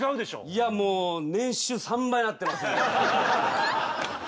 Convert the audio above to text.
いやもう年収３倍になってますので。